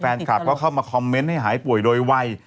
แฟนคลับก็เข้ามาคอมเมนต์ให้หายป่วยโดยวัย